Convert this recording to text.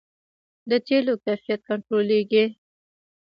د تیلو کیفیت کنټرولیږي؟